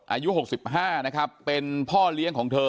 อายุ๖๕นะครับเป็นพ่อเลี้ยงของเธอ